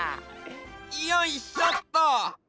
よいしょっと！